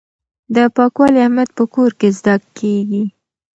د پاکوالي اهمیت په کور کې زده کیږي.